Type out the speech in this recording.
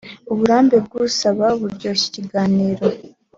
uburambe bw’usaba buryoshya ikiganiro